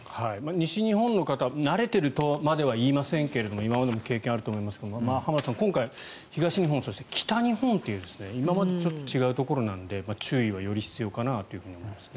西日本の方は慣れているとまでは言いませんが今までも経験あると思いますが浜田さん、今回、東日本そして北日本という今までとちょっと違うところなので注意はより必要かなと思いますね。